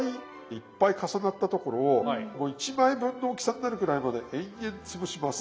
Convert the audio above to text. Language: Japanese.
いっぱい重なったところをもう１枚分の大きさになるぐらいまで延々潰します。